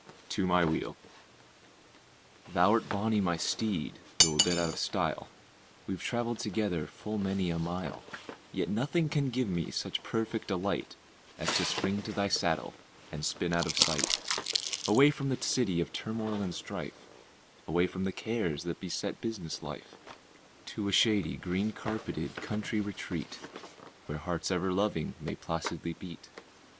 TO MY WHEEL. Thou'rt bonnie, my steed, though a bit out of style, We've traveled together full many a mile; Yet nothing can give me such perfect delight As to spring to thy saddle and spin out of sight, Away from the city of turmoil and strife, Away from the cares that beset business life, To a shady, green carpeted country retreat, Where hearts ever loving may placidly beat.